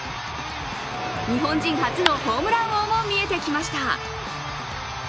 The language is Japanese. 日本人初のホームラン王も見えてきました。